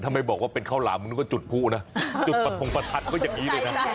ไม่บอกว่าเป็นข้าวหลามมันก็จุดผู้นะจุดประทงประทัดเขาอย่างนี้เลยนะ